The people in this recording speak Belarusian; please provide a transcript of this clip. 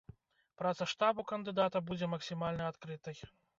Праца штабу кандыдата будзе максімальна адкрытай.